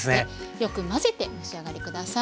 よく混ぜてお召し上がり下さい。